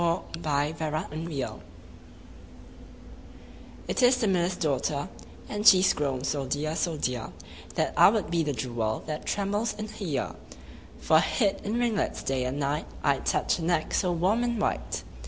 The Miller's Daughter IT is the miller's daughter, And she is grown so dear, so dear, That I would be the jewel That trembles in her ear: For hid in ringlets day and night, 5 I'd touch her neck so warm and white.